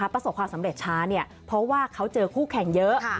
ประสบความสำเร็จช้าเนี่ยเพราะว่าเขาเจอคู่แข่งเยอะ